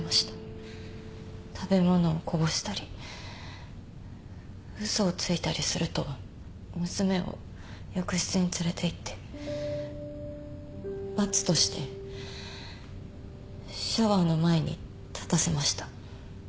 食べ物をこぼしたり嘘をついたりすると娘を浴室に連れていって罰としてシャワーの前に立たせました。